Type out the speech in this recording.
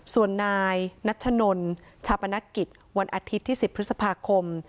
ส่วนนายนัชนนชาปนกิจวันอาทิตย์ที่๑๐พฤษภาคม